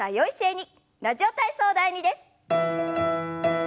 「ラジオ体操第２」です。